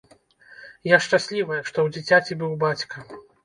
Я шчаслівая, што ў дзіцяці быў бацька.